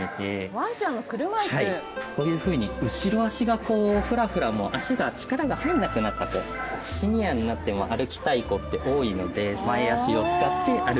こういうふうに後ろ足がこうふらふらもう脚が力が入らなくなった子シニアになっても歩きたい子って多いので。